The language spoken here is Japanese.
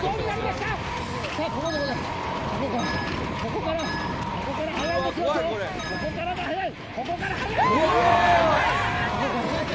ここから、ここからが速い！